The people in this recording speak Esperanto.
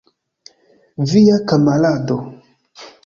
Via kamarado.